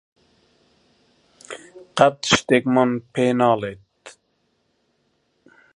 قەت شتێکمان پێ ناڵێت.